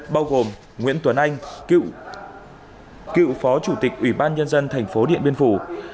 bao gồm nguyễn tuấn anh cựu phó chủ tịch ủy ban nhân dân thành phố điện biên phủ